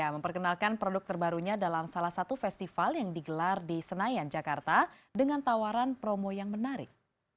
memperkenalkan produk terbarunya dalam salah satu festival yang digelar di senayan jakarta dengan tawaran promo yang menarik